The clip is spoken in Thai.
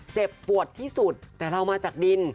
เจ็บปวดที่สุดแต่เรามาจากดิน